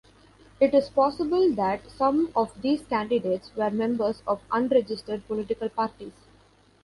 It is possible that some of these candidates were members of unregistered political parties.